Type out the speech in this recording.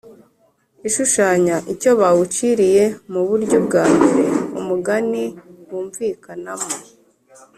ishushanya icyo bawuciriye. Mu buryo bwa mbere umugani wumvikanamo